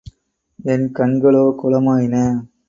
என் கண்களோ குளமாயின.